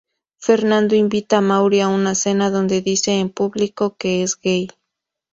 Fernando invita Mauri a una cena donde dice en público que es gay.